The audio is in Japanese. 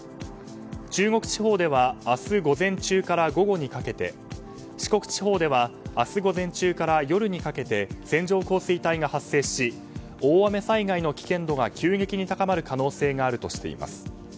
中国地方では明日午前中から午後にかけて四国地方では明日午前中から夜にかけて線状降水帯が発生し大雨災害の危険度が急激に高まる可能性があるとしています。